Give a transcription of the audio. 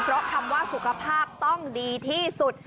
เพราะคำว่าสุขภาพต้องดีที่สุด